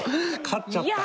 勝っちゃった。